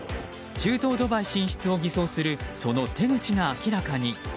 中東ドバイ進出を偽造するその手口が明らかに。